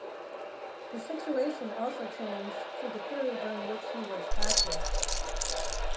The situation also changed through the period during which he was active.